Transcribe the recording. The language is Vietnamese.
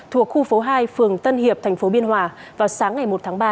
thuộc khu phố hai phường tân hiệp thành phố biên hòa vào sáng ngày một tháng ba